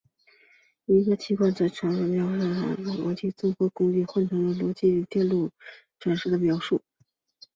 一个寄存器传输级的描述通常会通过逻辑综合工具转换成逻辑门级电路连线网表的描述。